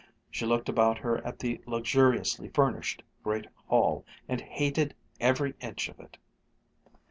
She looked about her at the luxuriously furnished great hall, and hated every inch of it.